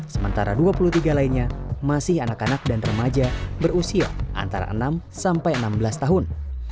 sementara dua puluh tiga lainnya masih anak anak dan remaja berusia antara enam sampai enam belas tahun